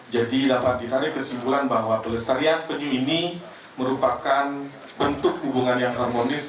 jadi dapat ditarik kesimpulan bahwa pelestarian penyu ini merupakan bentuk hubungan yang harmonis